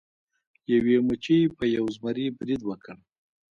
یوې مچۍ په یو زمري برید وکړ.